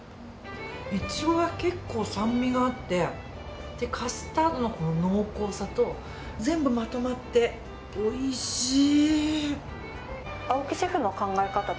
イチゴが結構、酸味があってカスタードの濃厚さと全部まとまっておいしい。